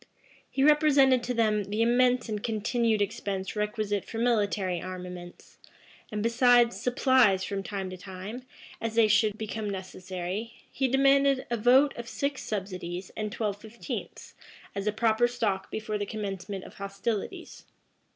He represented to them the immense and continued expense requisite for military armaments; and, besides supplies from time to time, as they should become necessary, he demanded a vote of six subsidies and twelve fifteenths, as a proper stock before the commencement of hostilities.